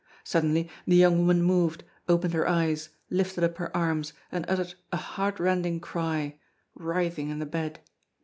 Suddenly, the young woman moved, opened her eyes, lifted up her arms, and uttered a heartrending cry, writhing in the bed.